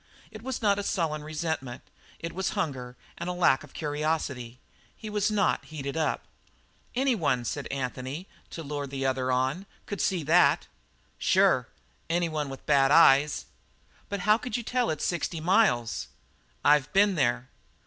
It was not a sullen resentment; it was hunger and a lack of curiosity. He was not "heated up." "Any one," said Anthony, to lure the other on, "could see that." "Sure; any one with bad eyes." "But how can you tell it's sixty miles?" "I've been there."